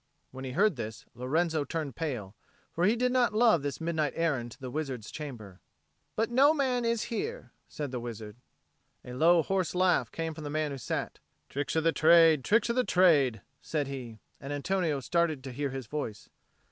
When he heard this, Lorenzo turned pale, for he did not love this midnight errand to the wizard's chamber. "But no man is here," said the wizard. A low hoarse laugh came from the man who sat. "Tricks of the trade, tricks of the trade!" said he; and Antonio started to hear his voice.